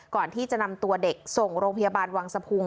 ก่อนที่จะนำตัวเด็กส่งโรงพยาบาลวังสะพุง